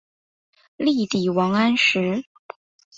力抵王安石。